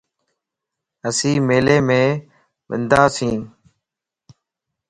اسين ميلي مَ ونداسين